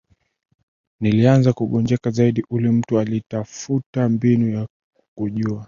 nilianza kugonjeka zaidi ule mtu alitafuta mbinu ya kujua